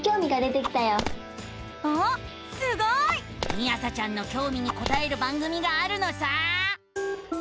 みあさちゃんのきょうみにこたえる番組があるのさ！